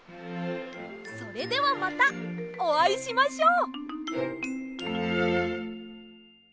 それではまたおあいしましょう。